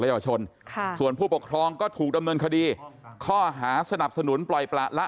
ยาวชนส่วนผู้ปกครองก็ถูกดำเนินคดีข้อหาสนับสนุนปล่อยประละ